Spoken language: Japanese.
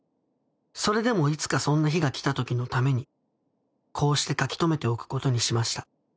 それでもいつかそんな日が来た時のためにこうして書きとめておくことにしました。